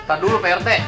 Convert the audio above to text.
tadul pak rt